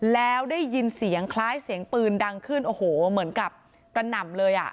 แล้วได้ยินเสียงคล้ายเสียงปืนดังขึ้นโอ้โหเหมือนกับกระหน่ำเลยอ่ะ